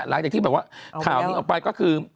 หลายอย่างที่บอกว่าข่าวนี้ออกไปก็คือ